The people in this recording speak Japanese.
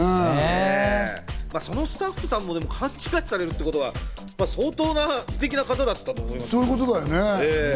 そのスタッフさんも勘違いされるってことは相当すてきな方だったと思います。